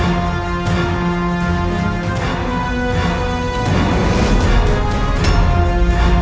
aku akan menangkapmu